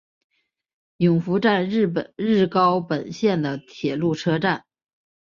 勇拂站日高本线的铁路车站。